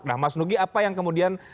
nah mas nugi apa yang kemudian